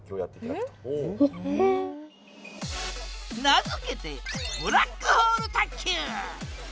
名付けてブラックホール卓球！